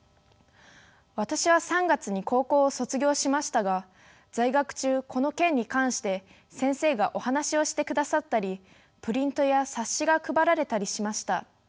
私は３月に高校を卒業しましたが在学中この件に関して先生がお話をしてくださったりプリントや冊子が配られたりしました。